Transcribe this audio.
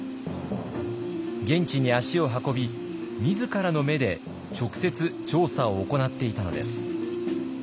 現地に足を運び自らの目で直接調査を行っていたのです。